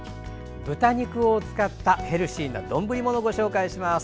豚肉を使ったヘルシーな丼ものをご紹介します。